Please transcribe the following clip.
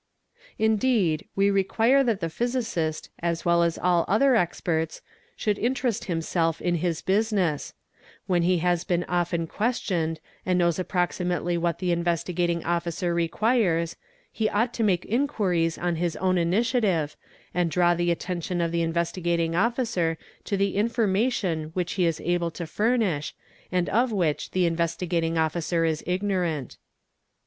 | Indeed we require that the physicist as well as all other experts —~ should interest himself in his business; when he has been often ques tioned and knows approximately what the Investigating Officer requires — he ought to make inquiries on his own initative and draw the attention — of the Investigating Officer to the information which he is able to furnish and of which the Investigating Officer is ignorant.